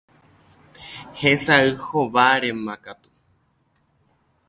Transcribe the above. hesay hovárema katu.